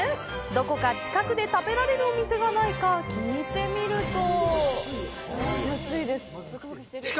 どこか近くで食べられるお店がないか、聞いてみると。